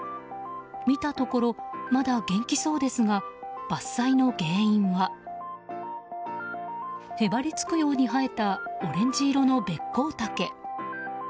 見たところ、まだ元気そうですが伐採の原因はへばりつくように生えたオレンジ色のベッコウタケ。